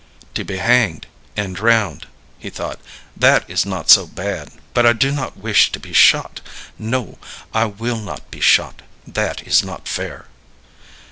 "To be hanged and drowned," he thought, "that is not so bad; but I do not wish to be shot. No; I will not be shot; that is not fair."